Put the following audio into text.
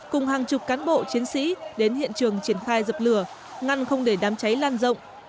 cùng hàng chục cán bộ chiến sĩ đến hiện trường triển khai dập lửa ngăn không để đám cháy lan rộng